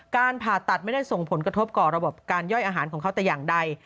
การผ่าตัดไม่ได้ส่งผลกระทบต่อระบบการย่อยอาหารของเขาแต่อย่างใด